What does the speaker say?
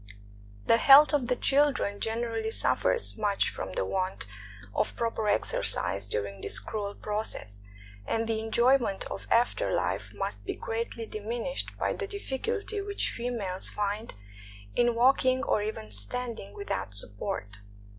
The health of the children generally suffers much from the want of proper exercise during this cruel process; and the enjoyment of after fife must be greatly diminished by the difficulty which females find in walking or even standing without support.